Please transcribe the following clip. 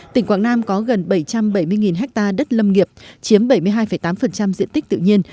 tỉnh quảng nam có gần bảy trăm bảy mươi ha đất lâm nghiệp chiếm bảy mươi hai tám diện tích tự nhiên